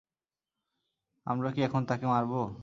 আমরা কি এখন তাকে মারব?